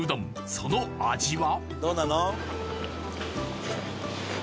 その味は？